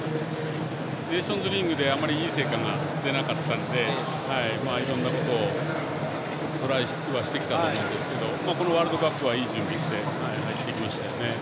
ネーションズリーグであまりいい成果が出なかったのでいろんなことをトライはしてきたと思うんですがワールドカップはいい準備して入ってきましたよね。